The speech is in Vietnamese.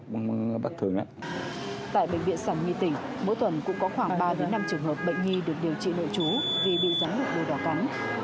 tại bệnh viện sản nhi tỉnh mỗi tuần cũng có khoảng ba năm trường hợp bệnh nhi được điều trị nội trú vì bị rắn lục đuôi đỏ cắn